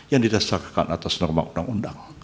yang didasarkan atas norma undang undang